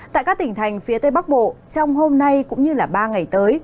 tại các tỉnh thành phía tây bắc bộ trong hôm nay cũng như ba ngày tới